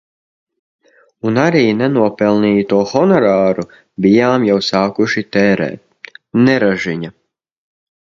Un arī nenopelnīto honorāru bijām jau sākuši tērēt. Neražiņa.